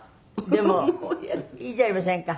でもいいじゃありませんか。